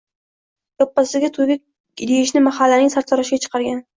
– Yoppasiga to‘yga deyishni mahallaning sartaroshiga chiqargan